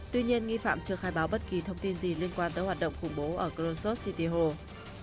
tuy nhiên nghi phạm chưa khai báo bất kỳ thông tin gì liên quan tới hoạt động khủng bố ở khrushchev city hall